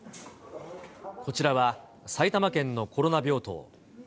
こちらは、埼玉県のコロナ病棟。